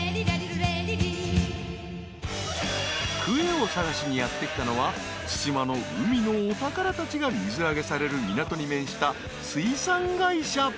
［クエを探しにやって来たのは対馬の海のお宝たちが水揚げされる港に面した水産会社］